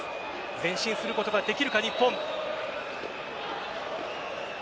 前進することができるか、日本。